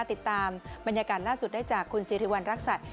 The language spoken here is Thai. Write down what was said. ติดตามบรรยากาศล่าสุดได้จากคุณสิริวัณรักษัตริย